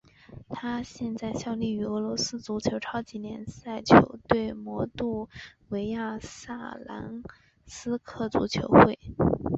他现在效力于俄罗斯足球超级联赛球队摩度维亚萨兰斯克足球会。